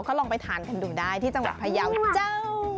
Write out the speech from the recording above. ก็ลองไปทานกันดูได้ที่จังหวัดพยาวเจ้า